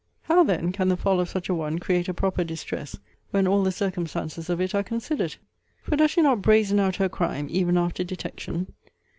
How then can the fall of such a one create a proper distress, when all the circumstances of it are considered? For does she not brazen out her crime, even after detection?